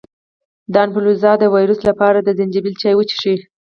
د انفلونزا د ویروس لپاره د زنجبیل چای وڅښئ